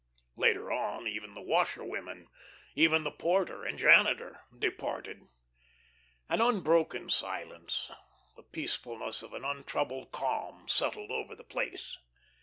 Later on even the washerwomen, even the porter and janitor, departed. An unbroken silence, the peacefulness of an untroubled calm, settled over the place.